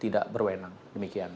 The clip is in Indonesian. tidak berwenang demikian